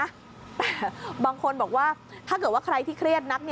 แต่บางคนบอกว่าถ้าเกิดว่าใครที่เครียดนัก